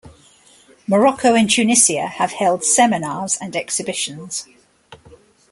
Morocco and Tunisia have held seminars and exhibitions.